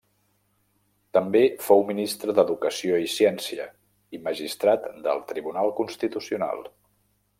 També fou ministre d'Educació i Ciència i magistrat del Tribunal Constitucional.